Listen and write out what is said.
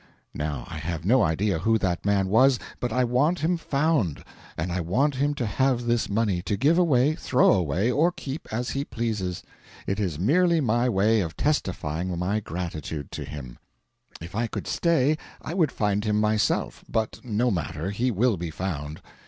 Now I have no idea who that man was, but I want him found, and I want him to have this money, to give away, throw away, or keep, as he pleases. It is merely my way of testifying my gratitude to him. If I could stay, I would find him myself; but no matter, he will be found.